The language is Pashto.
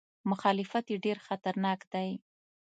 مخالفت یې ډېر خطرناک دی.